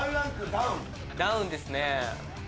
ダウンですね。